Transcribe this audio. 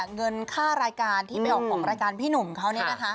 เงินค่ารายการที่ไปออกของรายการพี่หนุ่มเขา